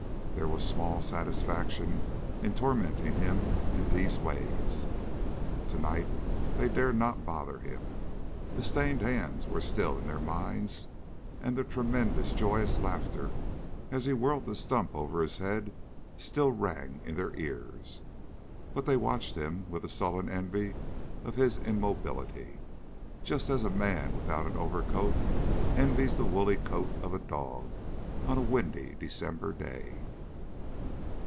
There was small satisfaction in tormenting him in these ways. Tonight they dared not bother him. The stained hands were still in their minds, and the tremendous, joyous laughter as he whirled the stump over his head still rang in their ears. But they watched him with a sullen envy of his immobility. Just as a man without an overcoat envies the woolly coat of a dog on a windy December day.